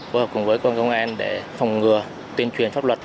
vô hợp cùng với công an để phòng ngừa tuyên truyền pháp luật